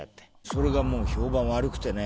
それがもう評判悪くてね。